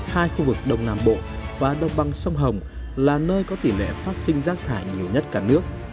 hai khu vực đông nam bộ và đồng bằng sông hồng là nơi có tỷ lệ phát sinh rác thải nhiều nhất cả nước